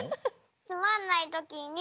つまんないときに。